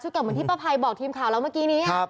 คือเกิดเหมือนที่ป้าภัยบอกทีมข่าวแล้วเมื่อกี้นี้